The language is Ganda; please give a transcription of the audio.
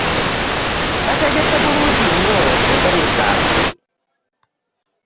Bategese bulungi nnyo engoye zaabwe.